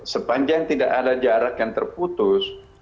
sepanjang tidak ada jarak yang terputus